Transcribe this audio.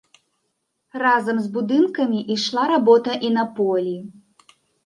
Разам з будынкамі ішла работа і на полі.